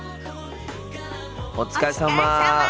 お疲れさま。